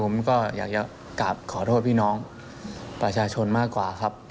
ผมก็อยากจะกลับขอโทษพี่น้องประชาชนมากกว่าครับ